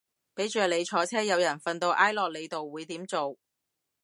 俾着你坐車有人瞓到挨落你度會點做